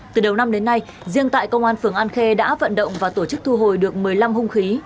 từ đầu năm đến nay riêng tại công an phường an khê đã vận động và tổ chức thu hồi được một mươi năm hung khí